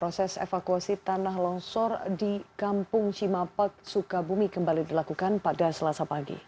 proses evakuasi tanah longsor di kampung cimapet sukabumi kembali dilakukan pada selasa pagi